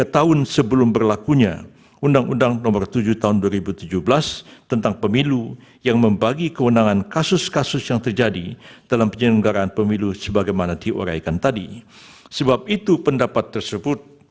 terima kasih terima kasih